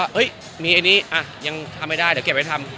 เฮ้ยมีอันนี้ยังทำไม่ได้เดี๋ยวเก็บไว้ทำ